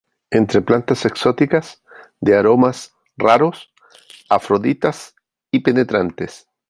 entre plantas exóticas , de aromas raros , afroditas y penetrantes .